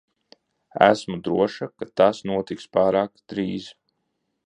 Esmu droša, ka tas notiks pārāk drīz.